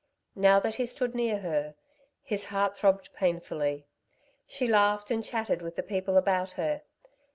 Now that he stood near her his heart throbbed pain fully. She laughed and chattered with the people about her.